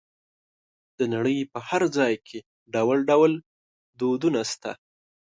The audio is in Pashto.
د نړۍ په هر ځای کې ډول ډول دودونه شته.